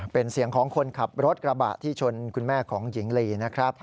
เป็นเสียงของคนขับรถกระบะที่ชนคุณแม่ของหญิงลีนะครับ